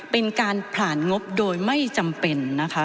เป็นการผลาญงบโดยไม่จำเป็น